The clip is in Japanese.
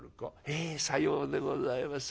「ええさようでございます。